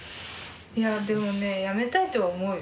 いやでもね辞めたいとは思うよ。